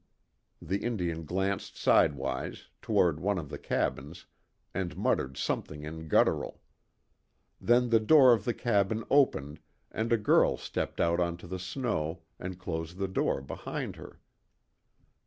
_" The Indian glanced sidewise, toward one of the cabins, and muttered something in guttural. Then, the door of the cabin opened and a girl stepped out onto the snow and closed the door behind her.